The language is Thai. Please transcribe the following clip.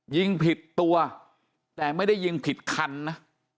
ยิงผิดตัวแต่ไม่ได้ยิงผิดคันนะ